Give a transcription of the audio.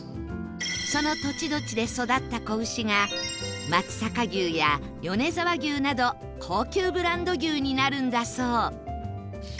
その土地土地で育った子牛が松阪牛や米沢牛など高級ブランド牛になるんだそう